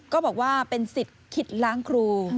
ก็บอกว่าเป็นสิทธิ์คิดล้างครู